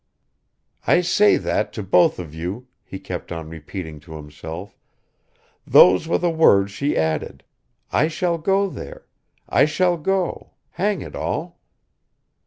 "'I say that to both of you,'" he kept on repeating to himself, "those were the words she added. I shall go there, I shall go, hang it all!"